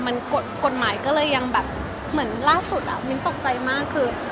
มันกฎหมายก็เลยยังแบบเหมือนล่าสุดอ่ะมิ้นตกใจมากคือ